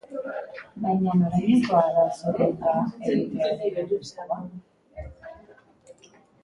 Baina norainokoa da zurrunga egitearen arriskua?